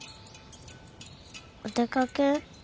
お出掛け。